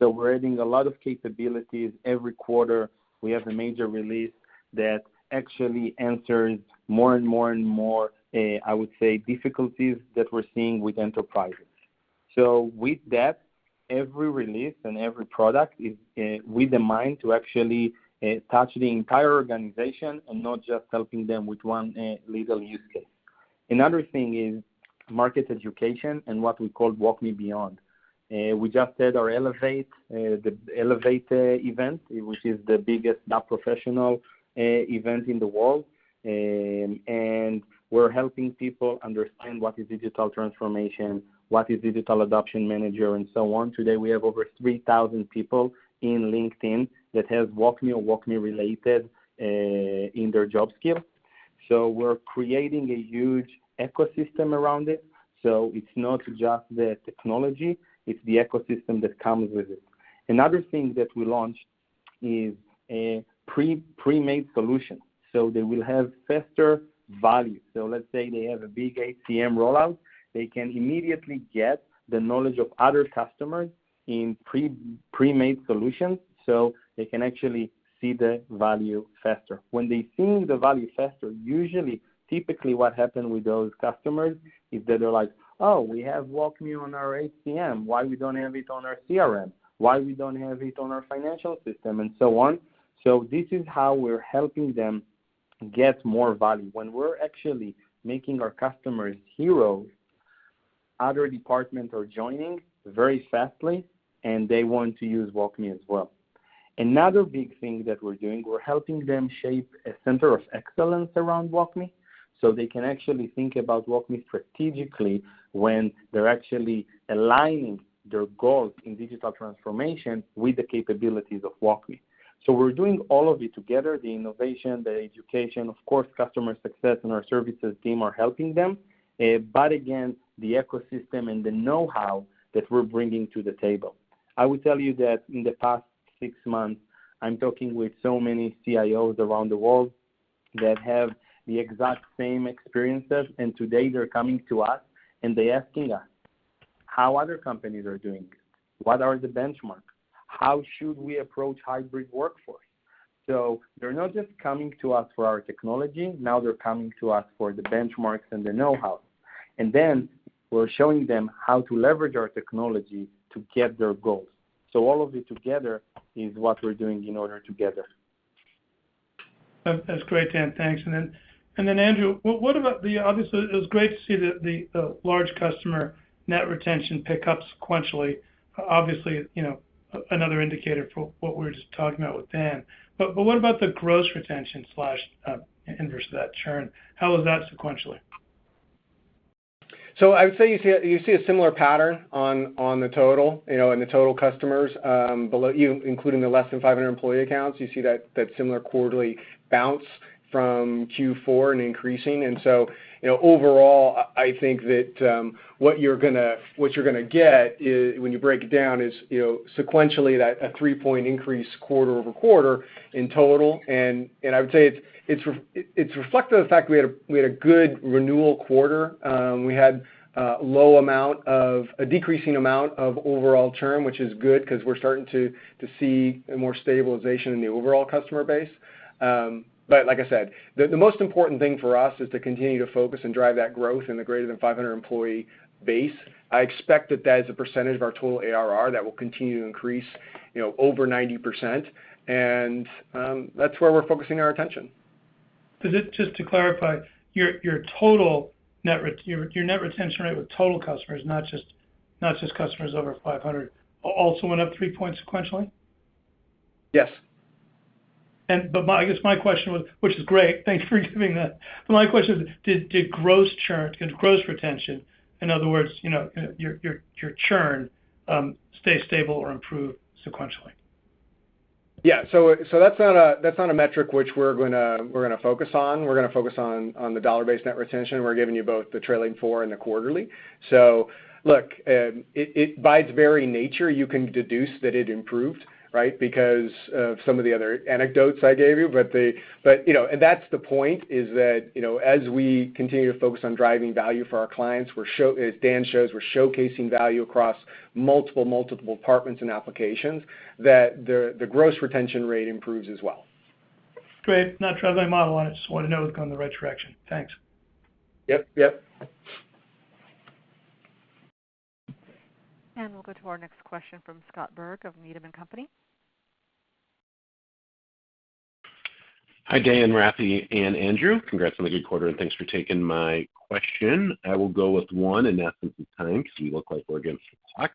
We're adding a lot of capabilities. Every quarter, we have a major release that actually answers more and more, I would say, difficulties that we're seeing with enterprises. With that, every release and every product is with the mind to actually touch the entire organization and not just helping them with one legal use case. Another thing is market education and what we call WalkMe Beyond. We just did our Elevate event, which is the biggest DAP professional event in the world, and we're helping people understand what is digital transformation, what is digital adoption manager, and so on. Today, we have over 3,000 people in LinkedIn that have WalkMe or WalkMe related in their job skill. We're creating a huge ecosystem around it. It's not just the technology; it's the ecosystem that comes with it. Another thing that we launched is a pre-made solution, so they will have faster value. Let's say they have a big HCM rollout. They can immediately get the knowledge of other customers in pre-made solutions, so they can actually see the value faster. When they're seeing the value faster, usually, typically what happen with those customers is that they're like, "Oh, we have WalkMe on our HCM. Why we don't have it on our CRM? Why we don't have it on our financial system?" So on. This is how we're helping them get more value. When we're actually making our customers heroes, other departments are joining very fastly, and they want to use WalkMe as well. Another big thing that we're doing, we're helping them shape a center of excellence around WalkMe, so they can actually think about WalkMe strategically when they're actually aligning their goals in digital transformation with the capabilities of WalkMe. We're doing all of it together, the innovation, the education. Of course, customer success and our services team are helping them. Again, the ecosystem and the knowhow that we're bringing to the table. I will tell you that in the past six months, I'm talking with so many CIOs around the world that have the exact same experiences, and today they're coming to us and they asking us how other companies are doing this. What are the benchmarks? How should we approach hybrid workforce? They're not just coming to us for our technology, now they're coming to us for the benchmarks and the knowhow. We're showing them how to leverage our technology to get their goals. All of it together is what we're doing in order together. That's great, Dan. Thanks. Then, Andrew, it was great to see the large customer net retention pick up sequentially. Obviously, another indicator for what we were just talking about with Dan. What about the gross retention slash inverse of that churn? How was that sequentially? I would say you see a similar pattern on the total, in the total customers including the less than 500 employee accounts. You see that similar quarterly bounce from Q4 and increasing. Overall, I think that what you're going to get when you break it down is sequentially that a three-point increase quarter-over-quarter in total. I would say it's reflective of the fact we had a good renewal quarter. We had a decreasing amount of overall churn, which is good because we're starting to see more stabilization in the overall customer base. Like I said, the most important thing for us is to continue to focus and drive that growth in the greater than 500 employee bases. I expect that that, as a percentage of our total ARR, that will continue to increase over 90%. That's where we're focusing our attention. Just to clarify, your net retention rate with total customers, not just customers over 500, also went up three points sequentially? Yes. Which is great. Thanks for giving that. My question is, did gross retention, in other words, your churn, stay stable or improve sequentially? Yeah, that's not a metric which we're going to focus on. We're going to focus on the dollar-based net retention, and we're giving you both the trailing four and the quarterly. Look, by its very nature, you can deduce that it improved, right? Because of some of the other anecdotes I gave you. That's the point, is that as we continue to focus on driving value for our clients, as Dan shows, we're showcasing value across multiple departments and applications, that the gross retention rate improves as well. Great. Not trying to lay a model on it, just wanted to know it was going in the right direction. Thanks. Yep. We'll go to our next question from Scott Berg of Needham & Company. Hi, Dan, Rafi, and Andrew. Congrats on the good quarter, and thanks for taking my question. I will go with one in the absence of time, because you look like we're against the clock.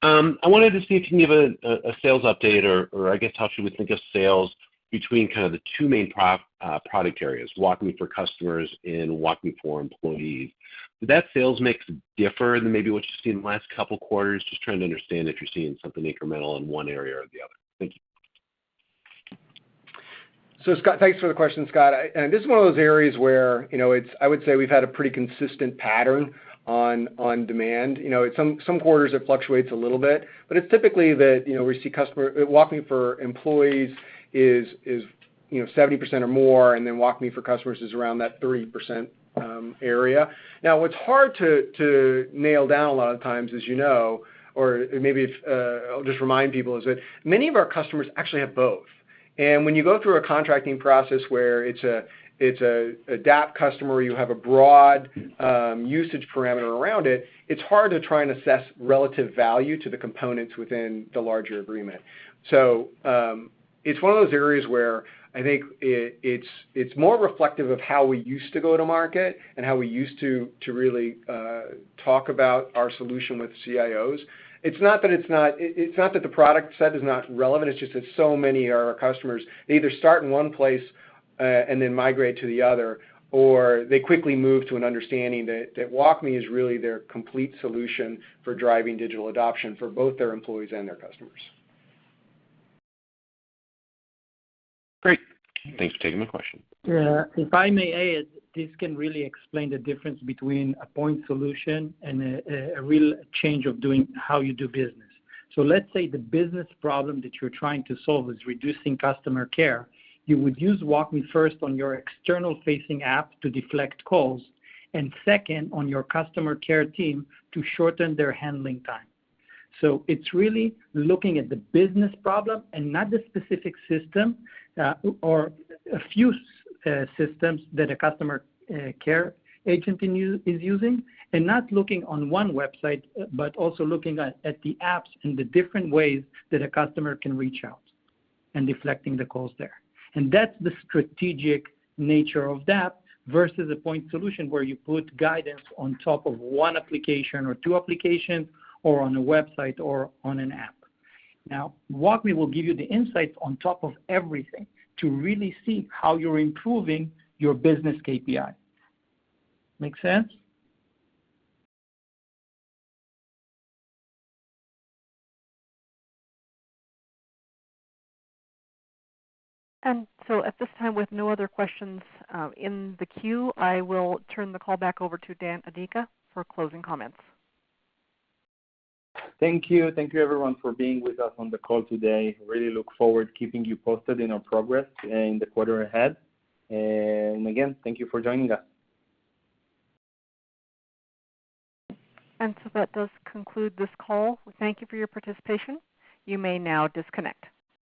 I wanted to see if you can give a sales update or I guess how should we think of sales between kind of the two main product areas, WalkMe for customers and WalkMe for employees. Do that sales mix differ than maybe what you've seen in the last couple quarters? Just trying to understand if you're seeing something incremental in one area or the other. Thank you. Scott, thanks for the question, Scott. This is one of those areas where I would say we've had a pretty consistent pattern on demand. Some quarters it fluctuates a little bit, but it's typically that we see WalkMe for employees is 70% or more, and then WalkMe for customers is around that 30% area. What's hard to nail down a lot of times, as you know, or maybe I'll just remind people, is that many of our customers actually have both. When you go through a contracting process where it's a DAP customer, you have a broad usage parameter around it's hard to try and assess relative value to the components within the larger agreement. It's one of those areas where I think it's more reflective of how we used to go to market and how we used to really talk about our solution with CIOs. It's not that the product set is not relevant, it's just that so many of our customers, they either start in one place, and then migrate to the other, or they quickly move to an understanding that WalkMe is really their complete solution for driving digital adoption for both their employees and their customers. Great. Thanks for taking my question. Yeah. If I may add, this can really explain the difference between a point solution and a real change of how you do business. Let's say the business problem that you're trying to solve is reducing customer care. You would use WalkMe first on your external-facing app to deflect calls, and second on your customer care team to shorten their handling time. It's really looking at the business problem and not the specific system, or a few systems that a customer care agent is using, and not looking on one website, but also looking at the apps and the different ways that a customer can reach out and deflecting the calls there. That's the strategic nature of that versus a point solution where you put guidance on top of one application or two applications, or on a website, or on an app. WalkMe will give you the insights on top of everything to really see how you're improving your business KPI. Make sense? At this time, with no other questions in the queue, I will turn the call back over to Dan Adika for closing comments. Thank you. Thank you everyone for being with us on the call today. Really look forward keeping you posted in our progress in the quarter ahead. Again, thank you for joining us. That does conclude this call. We thank you for your participation. You may now disconnect.